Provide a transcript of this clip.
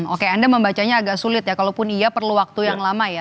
oke anda membacanya agak sulit ya kalaupun iya perlu waktu yang lama ya